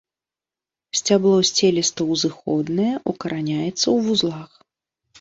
Сцябло сцеліста-ўзыходнае, укараняецца ў вузлах.